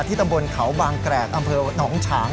ตำบลเขาบางแกรกอำเภอหนองฉาง